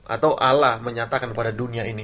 atau ala menyatakan pada dunia ini